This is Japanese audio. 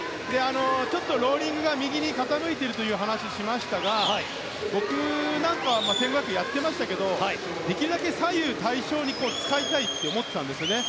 ローリングが右に傾いているという話をしましたが僕なんかはやっていましたけどできるだけ左右対称に使いたいと思っていたんですね。